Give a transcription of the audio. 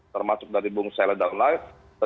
termasuk dari bung sela dan lain sebagainya